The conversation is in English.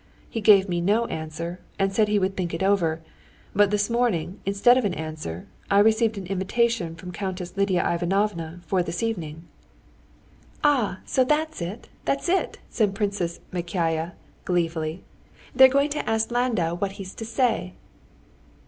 He gave me no answer, and said he would think it over. But this morning, instead of an answer, I received an invitation from Countess Lidia Ivanovna for this evening." "Ah, so that's it, that's it!" said Princess Myakaya gleefully, "they're going to ask Landau what he's to say."